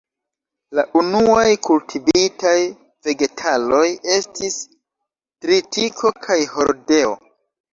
La unuaj kultivitaj vegetaloj estis tritiko kaj hordeo.